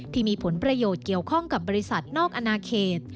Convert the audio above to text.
ที่มีผลประโยชน์เกี่ยวข้องกับบริษัทนอกอนาเขต